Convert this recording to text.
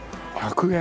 １００円。